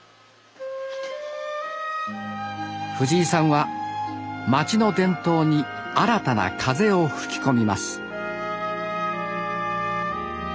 藤井さんは街の伝統に新たな風を吹き込みます。